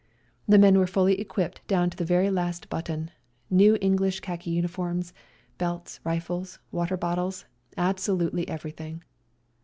The men were fully equipped down to the very last button— new English khaki 242 SLAVA DAY " uniforms, belts, rifles, water bottles, abso lutely everything.